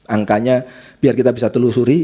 angkanya biar kita bisa telusuri